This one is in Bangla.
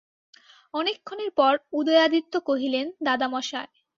অনেকক্ষণের পর উদয়াদিত্য কহিলেন, দাদামহাশয়।